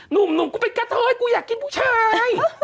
หนูมกูไปก๊าเตอ๊ยกูอยากกินผู้ชาย